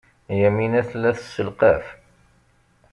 Yamina tella tesselqaf.